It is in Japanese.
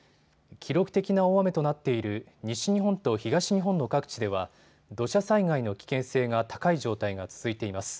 記録的な大雨となっている西日本と東日本の各地では土砂災害の危険性が高い状態が続いています。